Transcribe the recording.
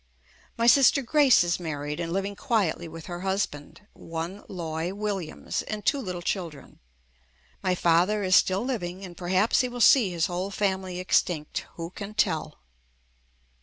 My sister Grace is mar ried and living quietly with her husband, one Loy Williams, and two little children. My father is still living and perhaps he will see his whole family extinct. Who can tell?